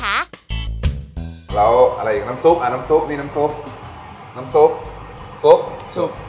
เราอะไรอยู่กับน้ำซุปนี่น้ำซุป